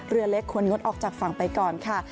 เรือเล็กควรงดออกจากฝั่งไปก่อนค่ะ